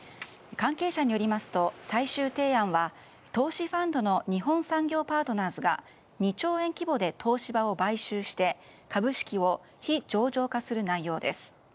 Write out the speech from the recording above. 関係者によりますと最終提案は投資ファンドの日本産業パートナーズが２兆円規模で東芝を買収して株式を非上場化する内容です。